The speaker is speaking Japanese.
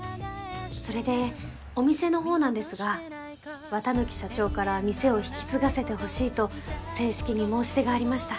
それでお店の方なんですが綿貫社長から店を引き継がせてほしいと正式に申し出がありました。